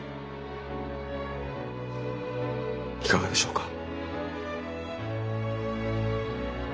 いかがでしょうか？